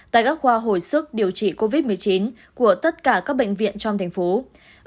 tại các khoa hồi sức điều trị covid một mươi chín của tất cả các bệnh viện trong thành phố